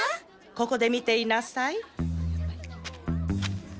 ここで見ていなさい。